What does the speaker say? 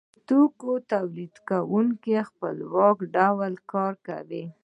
د توکو تولیدونکی په خپلواک ډول کار کوي